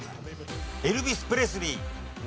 エルビス・プレスリー。